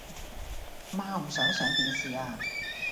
媽，我唔想上電視吖